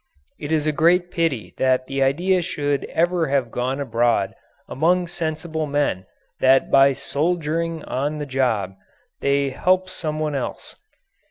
It is a great pity that the idea should ever have gone abroad among sensible men that by "soldiering" on the job they help someone else.